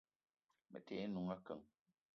Me te ye n'noung akeng.